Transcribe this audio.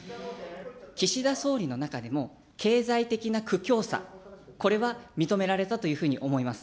岸田総理の中でも、経済的な苦境さ、これは認められたというふうに思います。